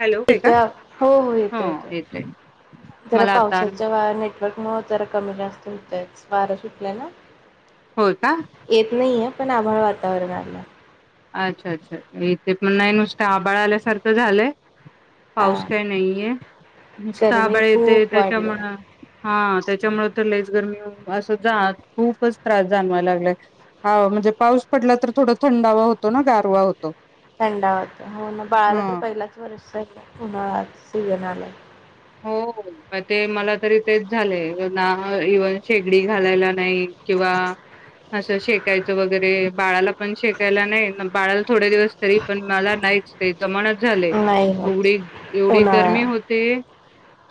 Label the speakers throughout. Speaker 1: Hello आहे
Speaker 2: इथ
Speaker 1: का?
Speaker 2: हो हो येतोय-येतोय जरा
Speaker 1: मला आता
Speaker 2: पावसाच्या वाऱ्याने रेंज मुळ जरा कमी जास्त होतयचं वारं सुटलयं ना?
Speaker 1: होय का
Speaker 2: येत नाहीये पण आभाळ वा तरर झालं
Speaker 1: अच्छा अच्छा इथे पण नाही नुसतं आबाळ आल्यासारखं झालंय. पाऊस
Speaker 2: हा
Speaker 1: काही नाहीये. नुसतं
Speaker 2: गरमी
Speaker 1: आबाळ येतंय
Speaker 2: खूप
Speaker 1: येतंय
Speaker 2: वाढली आहे.
Speaker 1: त्यांमुळं हा त्याच्यामुळे तर लयच गरमी. असं जा खूपच त्रास जाणवाय लागलाय आव म्हणजे पाऊस पडला तर थोडा थंडावा होत तो ना गारवा होतो.
Speaker 2: थंडावा होत. हो ना बाळाला तर
Speaker 1: हा
Speaker 2: पहिलाच वर्ष सिजन आलाय
Speaker 1: हो ते मला तरी तेच झालेय ना. इव्हन शेगडी घालायला नाही किंवा असं शेकायचं वगैरे बाळाला पण शेकायला नाही. बाळाला थोडे दिवस तरी पण मला नाहीच तेच जमनाच झालंय
Speaker 2: नाही
Speaker 1: एवढी
Speaker 2: होत
Speaker 1: एवढी गर्मी
Speaker 2: उन्हाळा
Speaker 1: होते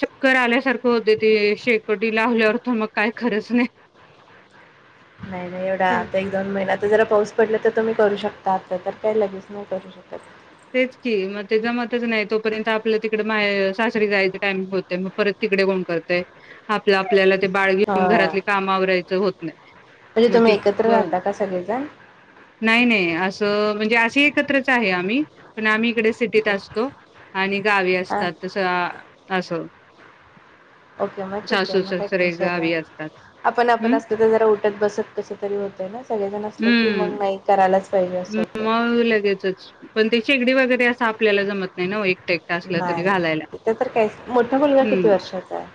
Speaker 1: चक्कर आल्यासारखं होतंय ते शेकोटीला लावल्यावरथ मग काय खरच नाही
Speaker 2: नाही नाही एवढा आता एक-दोन महिन्या आताजरा पाऊस पडलं तर तुम्ही करू शकता. आता तर काही लगेच नाही करू शकत.
Speaker 1: तेच की मग ते जमतचं नाही. तोपर्यंत आपलं तिकडं मा सासरी जायचं टाइम होतंय मग परत तिकडं कोण करतंय, आपलं आपल्याला बाळ
Speaker 2: हा
Speaker 1: घेऊन घरातली काम आवरायचं होत नाही
Speaker 2: म्हणजे
Speaker 1: म
Speaker 2: तुम्ही
Speaker 1: ती
Speaker 2: एकत्र राहता का सगळेजण?
Speaker 1: नाही नाही असं म्हणजे अशी एकत्रच आहे आम्ही पण आम्ही इकडे सिटीत
Speaker 2: ओके
Speaker 1: असतो आणि गावी
Speaker 2: हा
Speaker 1: असतात तस असं
Speaker 2: ओके मग ठीके
Speaker 1: सासू
Speaker 2: मग काही
Speaker 1: सासरे
Speaker 2: टेन्शन नाही.
Speaker 1: गावी असतात.
Speaker 2: आपण आपण
Speaker 1: हं,
Speaker 2: असलं तर जरा उठत, बसत कसं तरी होतय ना! सगळेजण असले की मग नाही करायलाच पाहिजे असं
Speaker 1: म
Speaker 2: होतंय.
Speaker 1: मळ लगेचचं. पण ते शेगडीवर वगैरे असं आपल्याला जमत नाही‌ नव्ह हे
Speaker 2: नाही इथ तर कायच, मोठा मुलगा किती
Speaker 1: हं
Speaker 2: वर्षाचा आहे?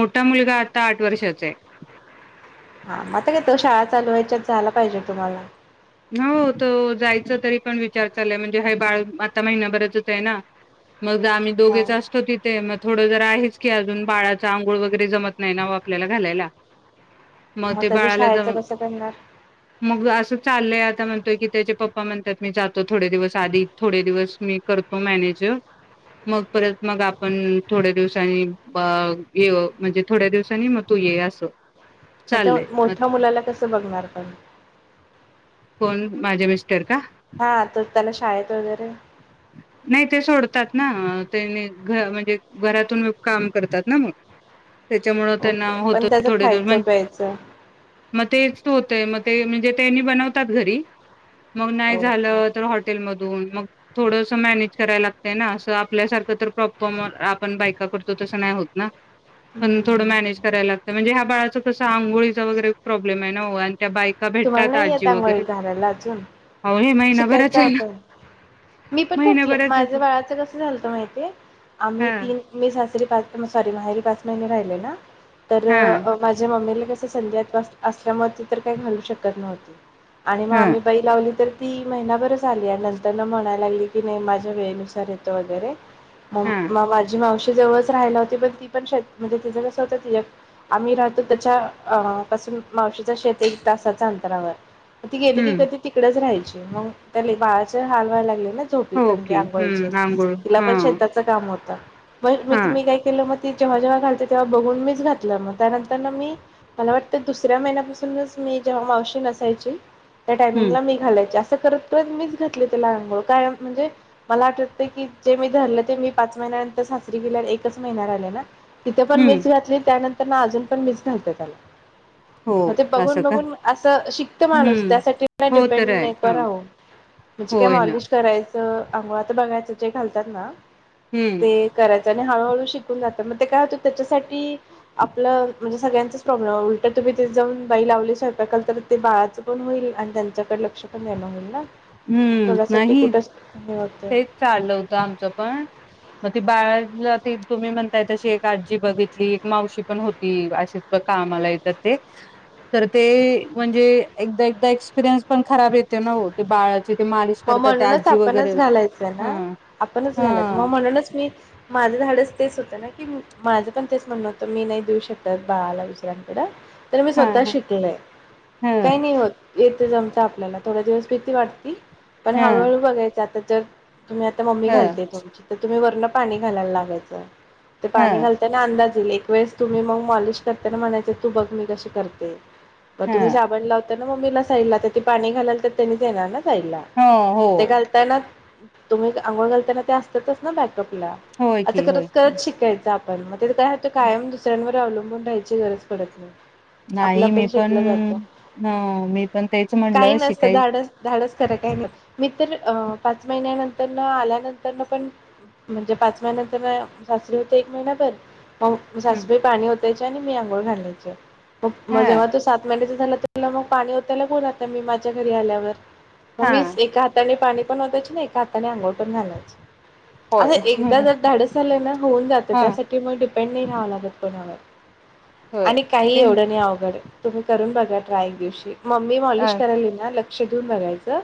Speaker 1: मोठा मुलगा आता आठ वर्षाचा आहे.
Speaker 2: हा म आता काय तो शाळा चालू व्हायच्या आत जायला पाहिजे तुम्हाला
Speaker 1: हु तो जायच तरी पण विचार चाललाय म्हणजे हाय बाळ आता महिनाभरचच आहे ना मग आम्ही
Speaker 2: हा.
Speaker 1: दोघेच असतो तिथे मग थोडं जरा आहेच की अजून बाळाचा आंघोळ वगैरे जमत नाही ना ओ आपल्याला घालायला मग ते
Speaker 2: त्याचं
Speaker 1: बाळाला
Speaker 2: शाळेचं
Speaker 1: जम
Speaker 2: कसं करणार?
Speaker 1: मग असं लय आता म्हणतोय की त्याचे पप्पा म्हणतात मी जातो थोडे दिवस आधी थोडे दिवस मी करतो मॅनेज मग परत मग आपण थोड्या दिवसांनी ब य ये म्हणजे थोड्या दिवसांनी मग तू ये अस
Speaker 2: म त्या मोठ्या मुलाला कसं बघणार पण
Speaker 1: कोण माझे मिस्ट टर का?
Speaker 2: हा तर त्याला शाळेत वगैरे
Speaker 1: नाही ते सोडतात. ना त्यांनी घ म्हणजे घरातून काम करतात ना मग त्याच्यामुळ त्यांना
Speaker 2: ओके
Speaker 1: होत
Speaker 2: पण त्याचं
Speaker 1: थोडे
Speaker 2: खायचं
Speaker 1: म्हणं
Speaker 2: प्यायचं
Speaker 1: म तेच होतेय मग ते ते तेनी बनवत तात घरी मग नाही
Speaker 2: ओके.
Speaker 1: झालं तर हॉटेलमधून मग थोडंस मॅनेज करायला लागतंय ना असं आपल्यासारखं तर प्रॉपर मग आपण बायका करतो तसं नाय होत ना पण
Speaker 2: हम्म
Speaker 1: थोडं
Speaker 2: हम्म.
Speaker 1: मॅनेज
Speaker 2: हम्म.
Speaker 1: करायला लागतं म्हणजे ह्या बाळाच तस आंघोळीचा वगैरे प्रॉब्लेम आहे ना ओ अन त्या बायका
Speaker 2: तुम्हाला
Speaker 1: भेटतात
Speaker 2: नाही येत
Speaker 1: आजी वग
Speaker 2: आंघोळी घालायला अजून शिकायच
Speaker 1: आहे ना
Speaker 2: आपण मी पण घातलं
Speaker 1: महिनाभराच
Speaker 2: माझ बाळाच कस झालंत माहितीये आम्ही
Speaker 1: हा
Speaker 2: तीन मी सासरी [unintelligible] माहेरी पाच महिने राहिले ना तर
Speaker 1: हा
Speaker 2: माझ्या मम्मीला कस ते संधिवात त्रास असल्यामुळ ती तर काय घाल शकत नव्हती. आणि मग
Speaker 1: हा
Speaker 2: आम्ही बाई लावली तर ती महिनाभरच आली आणि नंतर न म्हणायला लागली की नाही माझ्या वेळेनुसार येतो वगैरे म
Speaker 1: हा
Speaker 2: माव आजी मावशी जवळच राहायला होती पण ती पण शेत म्हणजे तिचं कसं होतं ती आम्ही राहतो त्याच्या पासून मावशीच शेत एक तासाच अंतरावर म ती गेली की
Speaker 1: हम्म
Speaker 2: कधी तिकडेच राहायची. मग त्या लय बाळाचे हाल वायला लागले. [unintelligible]
Speaker 1: ओके
Speaker 2: आंघोळचे
Speaker 1: हम्म आंघोळ
Speaker 2: तिला
Speaker 1: हा
Speaker 2: पण शेताच काम होत. ब मी
Speaker 1: हा
Speaker 2: तुम्ही काय केलं म ती जेव्हा जेव्हा घालते तेव्हा बघून मीच घातलं मग त्यानंतर न मी मला वाटतं दुसऱ्या महिन्यापासूनच मी जेव्हा मावशी नसायची. त्या
Speaker 1: हम्म
Speaker 2: टाइमिंगला मी घालायची असं. अस करत करत मीच घातले तेला अंघोळ कायम म्हणजे मला आठवत की जे मी धरलं ते मी पाच महिन्यानंतर सासरी गेल्या एकच महिना राहिले ना. तिथं पण
Speaker 1: हम्म
Speaker 2: मीच घातली त्यानं- - ना अजून पण मीच घालते त्याला.
Speaker 1: हो.
Speaker 2: मग ते बघून
Speaker 1: असं का
Speaker 2: बघून असं शिकत माणूस
Speaker 1: हम्म
Speaker 2: त्यासाठी नाही
Speaker 1: हो
Speaker 2: डिपेंड
Speaker 1: तर आहे
Speaker 2: नको
Speaker 1: हा
Speaker 2: राहू म्हणजे काय
Speaker 1: होय ना
Speaker 2: मॉलिश कराय तर आंघोळ आता बघायचं जे घालतात ना.
Speaker 1: हम्म
Speaker 2: ते करायचं आणि हळूहळू शिकून जात. तर मग ते काय होतं त्याच्यासाठी आपलं म्हणजे सगळ्यांच प्रॉब्लेम हाय उलट तुम्ही तिथ जाऊन बाई लावली स्वयंपाकाला तर ते बाळाचं पण होईल आणि त्यांच्याकडे लक्ष पण देणं होईल ना.
Speaker 1: हम्म.
Speaker 2: तेवढ्यासाठी
Speaker 1: नाही
Speaker 2: कुठंच हे होतंय.
Speaker 1: तेच चाललं होतं आमचं पण मग ते बाळा - - ला तुम्ही म्हणताय तशी एक आजी बघितली. एक मावशी पण होती अशीच कामला येतात ते तर ते म्हणजे एकदा एकदा एक्सपिरियन्स पण खराब येते ना ओ. ते बाळ
Speaker 2: हो म्हणूनच आपणच घालायचं
Speaker 1: ह
Speaker 2: ना. आपणच
Speaker 1: ह
Speaker 2: घालायचं. मग म्हणूनच मी माझं धाडस तेच होतं ना की माझं पण तेच म्हणणं होतं मी नाही देऊ शकत बाळाला दुसऱ्यांकडं. तर मी
Speaker 1: ह
Speaker 2: स्वतः
Speaker 1: ह
Speaker 2: शिकलय.
Speaker 1: ह
Speaker 2: काही नाही होत येत जम आपल्याला थोड्या दिवस भीती वाटती. पण
Speaker 1: ह
Speaker 2: हळूहळू बघायचं आता. तर तुम्ही आता मम्मी
Speaker 1: ह
Speaker 2: घालते तुमची तर तुम्ही वर पूर्ण पाणी घालायला लागायचं. ते पाणी
Speaker 1: ह
Speaker 2: घालताना अंदाज येईल. एक वेळेस तुम्ही मग मॉलिश करताना म्हणायचं तू बघ मी कशी करते. मग तुम्ही
Speaker 1: ह
Speaker 2: साबण लावताना मम्मीला ला पाणी घालाल तर त्यांनी च येणार ना साईडला.
Speaker 1: हो हो
Speaker 2: ते घालताय ना. तुम्ही आंघोळ घालताना ते असतातच ना बॅग - - आपल्या
Speaker 1: होय
Speaker 2: अस
Speaker 1: की
Speaker 2: करत
Speaker 1: होय की
Speaker 2: करत शिकायचं आपण म तेज काय होत कायम दुसऱ्यांवर अवलंबून राहायची गरज पडत नाही. आपलं
Speaker 1: नाही मी पण,
Speaker 2: शिकलं जातं
Speaker 1: ह मी पण तेच म्हणलं शिकाय
Speaker 2: खरं काय म मी तर पाच महिन्यानंतर आल्यानंतरन पण म्हणजे पाच महिन्यानंतर सासरे होते एक महिनाभर मग सासूबाई पाणी ओतायच्या आणि मी आंघोळ घालायचे. म
Speaker 1: ह
Speaker 2: जेव्हा तो सात महिन्याचा होता झा तुला मग पाणी ओताला कोण आता मी माझ्या घरी आल्यावर?
Speaker 1: हा!
Speaker 2: पहिले पाणी पण ओतायचे नाही हाताने आंघोळ पण घालायचं
Speaker 1: होय
Speaker 2: असं एकदा
Speaker 1: ह
Speaker 2: जर धाडस झालंय ना होऊन जातं. त्यासाठी मग डिपेंड नाही राहावं लागत कोणावर.
Speaker 1: होय
Speaker 2: आणि काही
Speaker 1: ते
Speaker 2: एवढं नाही अवघड तुम्ही करून बघा ट्राय एक दिवशी. मम्मी
Speaker 1: अ
Speaker 2: मॉलिश करायली ना शिजून बघायचं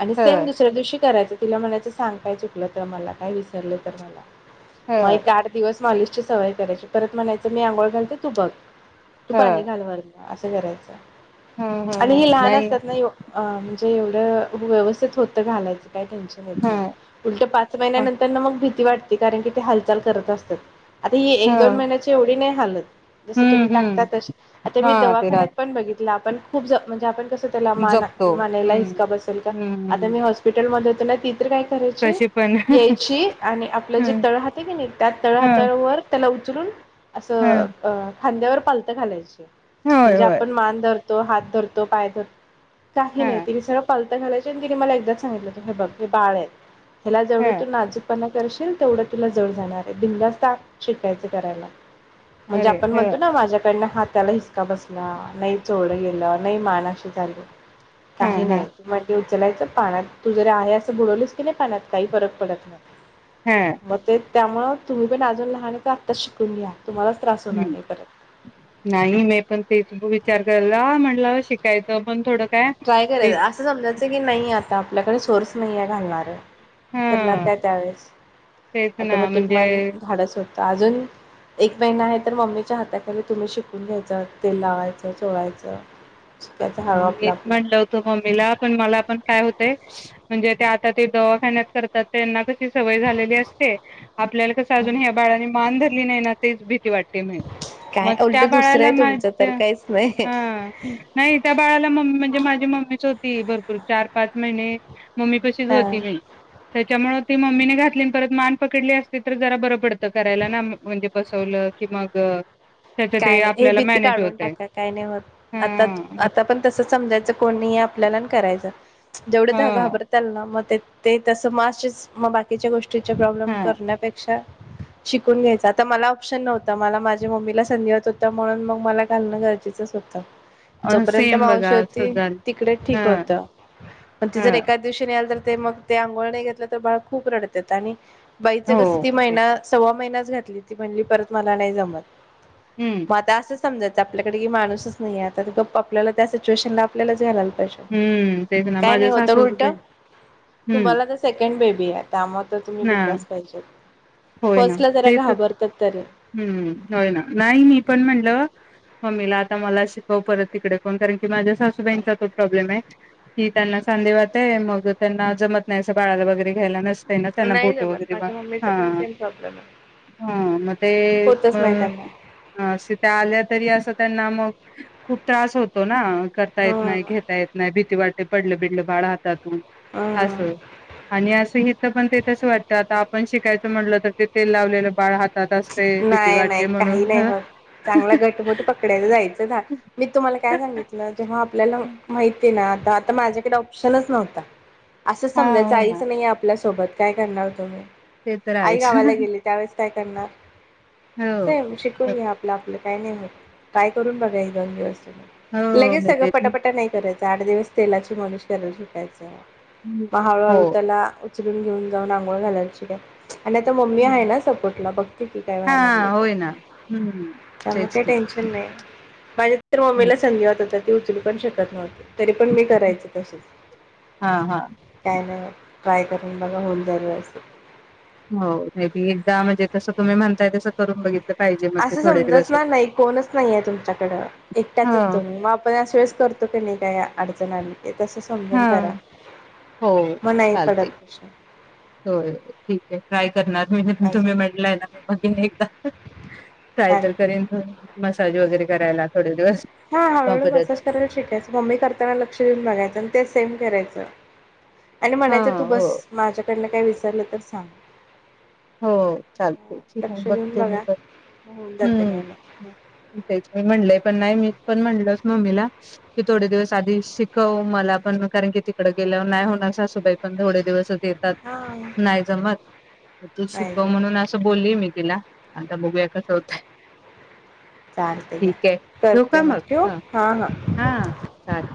Speaker 2: आणि
Speaker 1: ह
Speaker 2: सेम दुसऱ्या दिवशी करायचं तिला म्हलायचं सांग काय चुकलं तर मला, काय वि म
Speaker 1: ह
Speaker 2: माला आठ दिवस मालिश ची सवय करायची. परत म्हणायचं मी आंघोळ घालते तु बघ. तू
Speaker 1: ह
Speaker 2: पाणी घाल वर असं करायचं.
Speaker 1: ह
Speaker 2: आणि हे
Speaker 1: ह
Speaker 2: लहान
Speaker 1: नाही
Speaker 2: असतात ना अ ते येवढं व्यवस्थित होतं घालायचं काय टेन्शन येत
Speaker 1: ह
Speaker 2: नाही. उलट पाच महिन्या
Speaker 1: ह
Speaker 2: नंतर नं मग भी भीती वाटते कारण की ते हालचाल करत असत्यात. आता हि एक दोन
Speaker 1: हम्म
Speaker 2: महिन्याची एवढी नाही हालत जसं तुम्ही टाकता
Speaker 1: हम्म
Speaker 2: तस. आता मी
Speaker 1: हा ते
Speaker 2: दवाखान्यात
Speaker 1: राहत
Speaker 2: पण बघितलं आपण खूप जन म्हणजे आपण कसं? त्याला मान
Speaker 1: जपतो
Speaker 2: मानेला
Speaker 1: हम्म
Speaker 2: हिसका बस आता
Speaker 1: हम्म
Speaker 2: मी हॉस्पिटल म [inaudible] ती काय करायची
Speaker 1: कसे पण
Speaker 2: यायची आणि आपलं जे
Speaker 1: ह
Speaker 2: तळ हात आहे की नाइ, त्या तळ
Speaker 1: ह
Speaker 2: हातावर त्याला उचलून असं अं खांद्यावर पालतं घालायचं
Speaker 1: होय
Speaker 2: म्हणजे
Speaker 1: होय
Speaker 2: आपण मान धरतो हात धरतो पाय धर काही नाही
Speaker 1: ह
Speaker 2: तीनी सरळ पालथ घालायचे आणि तिनी मला एकदा सांगितलं होतं हे बघ हे बाळ ये ह्याला जेवढं
Speaker 1: ह
Speaker 2: तू नाजूकपणा करशील तेवढं तिला जड जाणार आहे बिनधास्त ताप शिकायच करायला म्हणजे
Speaker 1: अरे
Speaker 2: आपण
Speaker 1: ह
Speaker 2: म्हणतो ना माझ्या त्यांना हाताला हिसका बसला नाई चोळल गेलं नाई मान अशी झाली
Speaker 1: हा
Speaker 2: काही
Speaker 1: हा
Speaker 2: नाही म ते उचलायच पाण्यात तू जरी आहे असं बुडवलीस की नाय पाण्यात काही फरक पडत नाय
Speaker 1: हा
Speaker 2: म तेच त्यामुळ तुम्ही पण अजून लहान त आत्ताच शिकून घ्या. तुम्हालाच त्रास होणार
Speaker 1: हूं
Speaker 2: नाही परत
Speaker 1: नाही मी पण तेच विचार करला म्हटला शिकायचं पण थोडं काय
Speaker 2: ट्राय
Speaker 1: ते
Speaker 2: करायच असं समजायचं की नाहीये आत आता आपल्याकडे सोर्स नाही ये घालणार करणार
Speaker 1: हा
Speaker 2: काय त्यावेेळेस
Speaker 1: तेच ना
Speaker 2: ऑटोमॅटिक मन
Speaker 1: म्हणजे
Speaker 2: धाडस होतं अजून एक महिना आहे तर मम्मीच्या हाताखाली तुम्ही शिकून घ्यायच तेल लावायचं चोळायचं शिकचं हळू
Speaker 1: आणि
Speaker 2: आपलं
Speaker 1: मीच
Speaker 2: आप
Speaker 1: म्हणलं होतं मम्मीला पण मला पण काय होत ते म्हणजे ते आता ते दवाखान्यात करतात त्यांना कशी सवय झालेली असते. आपल्याला कसं अजून ह्या बाळाने मान धर ली नाय ना तेच भीती वाट काय माहीत म
Speaker 2: काय उलट
Speaker 1: त्या
Speaker 2: दुसरं
Speaker 1: बाळाला
Speaker 2: आहे तुमचं तर
Speaker 1: माझ्या
Speaker 2: काहीच नाही
Speaker 1: हा नाही त्या बाळाला मम्मी म्हणजे माझी मम्मीच होती भरपूर चार पाच महिने मम्मी पाशीच
Speaker 2: हा
Speaker 1: होती मी त्यामुळं ती मम्मीन घातली परत मान पकडली असती तर जरा बर पडत करायला ना म्हणजे बसवलं की मग त्याच ते
Speaker 2: काय नाही हे
Speaker 1: आपल्याला
Speaker 2: भीती
Speaker 1: मॅनेज
Speaker 2: काढून
Speaker 1: होतय
Speaker 2: टाका काय नाही होत
Speaker 1: हा
Speaker 2: आता
Speaker 1: मग
Speaker 2: आता पण तस समजायचं कोण नायये आपल्याला कराय [inaudible] जेवढ्या
Speaker 1: ह
Speaker 2: त्या घाबरत्याल ना म ते ते तसं मासचिस मग बाकीच्या गोष् तीचे प्रॉब्लेम
Speaker 1: हा
Speaker 2: करण्या पेक्षा शिकून घ्यायचं आता मला ऑप्शन नव्हत. मला माझ्या मम्मीला संधीवात होता म्हणून मग मला घालणं गरजेचंच होतं. जोपर्यंत
Speaker 1: सेम
Speaker 2: मावशी
Speaker 1: बघा असंच
Speaker 2: होती
Speaker 1: झालं
Speaker 2: तिकडे ठीक
Speaker 1: हा
Speaker 2: होतं पण ती
Speaker 1: हा
Speaker 2: जर एकाच दिवशी नाइ आली तर ते मग ते आंघोळ नाही घातलं तर बाळ खूप रडतेत आणि बाईचं
Speaker 1: हो
Speaker 2: कसं ती
Speaker 1: ते
Speaker 2: महिना सव्वा महिन्यात घातली ति म्हणली परत मला नाही जमत.
Speaker 1: हम्म
Speaker 2: म आता आसच समजायचं आपल्याकडे की माणूसच नाही आता. गप् आपल्याला त्या सिच्युएशनला आपल्याला चं घालायला
Speaker 1: हम्म तेच ना
Speaker 2: काय नाही
Speaker 1: माझ्या
Speaker 2: होतं
Speaker 1: सासू
Speaker 2: उलटं,
Speaker 1: हम्म
Speaker 2: तुम्हाला तर सेकंड भेट बिहार त्यामुळे तर तुम्ही
Speaker 1: ना
Speaker 2: बिंदास पाहिजेत.
Speaker 1: होय ना
Speaker 2: फर्स्टला जरा
Speaker 1: ते तर
Speaker 2: घाबरतात तरी
Speaker 1: हम्म होय ना नाही मी पण म्हणलं मम्मीला आता मला शिकव परत तिकडं कोण करील. माझ्या सासुबाईचं तोच प्रॉब्लेमे ति त्यांना सांधिवाते मग त्यांना जमत नाही असं बाळाला वगैरे घ्यायला त्यांना
Speaker 2: नाही
Speaker 1: बोट
Speaker 2: जमत
Speaker 1: वगैरे बा,
Speaker 2: माझ्या मम्मीचा पण
Speaker 1: हा!
Speaker 2: सेम प्रॉब्लेम आहे.
Speaker 1: हा मते
Speaker 2: होतच नाही
Speaker 1: अ
Speaker 2: त्यांना
Speaker 1: तिथे आल्या तरी असं त्यांना मग खूप त्रास होतो ना करता येत नाही.
Speaker 2: हं
Speaker 1: घेता येत नाही. भीती वाटे पडलं बिडलं बाळ हा हातातुन असं
Speaker 2: हं
Speaker 1: आणि असं इथं पण तेच आता आपण शिकायचं म्हटलं तर तेल लावलेलं बाळ हात
Speaker 2: नाही-नाही काही नाही होत. चांगला घटमुट पकडायच जायचं झा. मी तुम्हाला काय सांगितलं जेव्हा आपल्याला माहिती ना आता माझ्याकडे ऑप्शनच नव्हता असं
Speaker 1: हा
Speaker 2: समजायचं
Speaker 1: हो ना
Speaker 2: आईचं नाहीये आपल्या सो सोबत काय करणार होतो मी
Speaker 1: ते तर
Speaker 2: आई
Speaker 1: आहेच
Speaker 2: गावाला गेली त्यावेळेस काय करणार
Speaker 1: हो
Speaker 2: सेम शिकून घे आपलं आपलं. काय नाही होत. ट्राय करून बघा एक-दोन दिवस
Speaker 1: हो
Speaker 2: लगेच
Speaker 1: मी
Speaker 2: सगळं
Speaker 1: तेच
Speaker 2: पटापटा नाही करायचं आठ दिवस तेलाची मॉलिश करायला शिकायचं म हळू
Speaker 1: हो
Speaker 2: हळू त्याला चलून घेऊ जाऊन अंघोळ घायचीय त्यात आणि आता मम्मी हाय ना सपोर्टला बघ काय
Speaker 1: हा
Speaker 2: व्हायला लागलं तर
Speaker 1: होय ना हम्म
Speaker 2: त्यामुळे
Speaker 1: तेच
Speaker 2: ते
Speaker 1: की
Speaker 2: टेन्शन नाही माझ्या तर मम्मीला संधिवतये तर, ती उचलू पण शकत नव्हते. तरी पण, मी करायच तसच
Speaker 1: हा हा
Speaker 2: काय नाही होत. ट्राय करून बघा होऊन जाईल. व्यवस्थित
Speaker 1: हो, मी पण एकदा म्हणजे जसं, तुम्ही म्हणताय तसं करून बघितलं. पाहिजे मग ते
Speaker 2: असं
Speaker 1: थोडे दिवस
Speaker 2: समजणार नाही, कोणच नाही आहे. तुमच्याकडं एकट्याचच
Speaker 1: हो
Speaker 2: तुम्ही मग, आपण अशा वेळेस करतो. की नाही काय. अडचण आली. ते तसं
Speaker 1: हा
Speaker 2: समजून करा
Speaker 1: होय
Speaker 2: मग नाही पडत
Speaker 1: चालतय,
Speaker 2: प्रश्न
Speaker 1: होय, होय ठीक, [unintelligible] करणार, मी तुम्ही
Speaker 2: अजून
Speaker 1: म्हटलंय, ना मी बघेन एकदा काय,
Speaker 2: हा
Speaker 1: तर करेन. मसाज वगैरे करायला थोडे दिवस
Speaker 2: हा हळूहळू
Speaker 1: तोपर्यंत
Speaker 2: मसाज करायला शिकायच. मम्मी करताना लक्ष देऊन बघायच. पण, ते सेम करायचं. आणि
Speaker 1: हा
Speaker 2: म्हणायचं, तू
Speaker 1: हो
Speaker 2: बस माझ्याकडन काय विसरलं तर सांग.
Speaker 1: हो चालते, ठीक आहे
Speaker 2: लक्ष देऊन
Speaker 1: बघते. मी
Speaker 2: बघा
Speaker 1: पण
Speaker 2: होऊन जातं घ्यायला
Speaker 1: हम्म तेच म्हणलंय. पण नाही, मी पण म्हणल, मम्मीला की थोडे दिवस आधी शिकव, मला पण कारण की तिकड गेल्यावर नाही होणार, सासूबाई पण थोडे दिवसच. देतात, नाही जमत. शिकव.
Speaker 2: हा
Speaker 1: म्हणून
Speaker 2: नाही
Speaker 1: अस बोल्ली, मी, तिला आता बघूया कस होतंय.
Speaker 2: चालते घ्या
Speaker 1: ठीक आहे. ठिव
Speaker 2: करते
Speaker 1: का मग
Speaker 2: ठेवू
Speaker 1: हा हा चालेल,